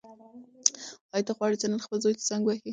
ایا ته غواړې چې نن خپل زوی ته زنګ ووهې؟